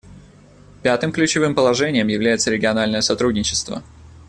Пятым ключевым положением является региональное сотрудничество.